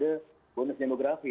kita sudah bonus demografi